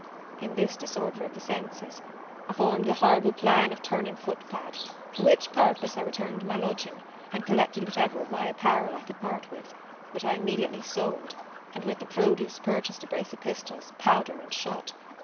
In this disorder of my senses, I formed the horrible plan of turning foot pad; for which purpose I returned to my lodging, and collected whatever of my apparel I could part with; which I immediately sold, and with the produce purchased a brace of pistols, powder and shot.